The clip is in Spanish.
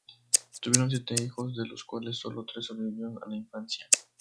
Tuvieron siete hijos, de los cuales sólo tres sobrevivieron a la infancia.